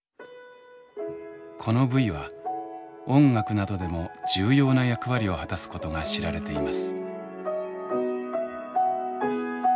この部位は音楽などでも重要な役割を果たすことが知られています。